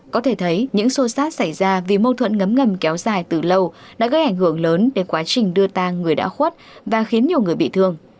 có thể thấy những xô sát xảy ra vì mâu thuẫn ngấm ngầm kéo dài từ lâu đã gây ảnh hưởng lớn đến quá trình đưa tang người đã khuất và khiến nhiều người bị thương